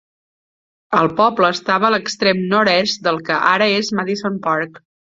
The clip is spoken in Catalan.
El poble estava a l'extrem nord-est del que ara és Madison Park.